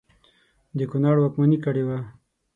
د کنړ واکمني کړې وه.